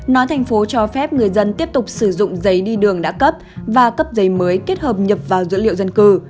nói thành phố cho phép người dân tiếp tục sử dụng giấy đi đường đã cấp và cấp giấy mới kết hợp nhập vào dữ liệu dân cư